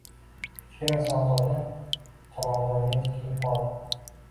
Kichkina shahzoda charog‘bonga tikilib qoldi.